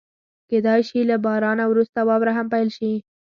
کېدای شي له بارانه وروسته واوره هم پيل شي.